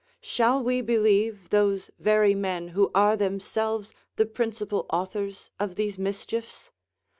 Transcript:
Shall we believe those very men who are themselves the principal authors of these mischiefs?